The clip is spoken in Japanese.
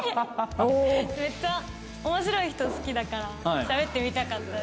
めっちゃ面白い人好きだからしゃべってみたかったんです。